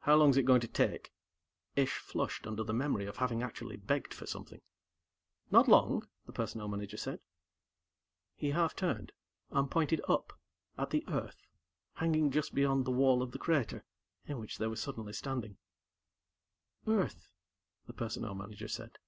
"How long's it going to take?" Ish flushed under the memory of having actually begged for something. "Not long," the Personnel Manager said. He half turned and pointed up at the Earth, hanging just beyond the wall of the crater in which they were suddenly standing. "Earth," the Personnel Manager said.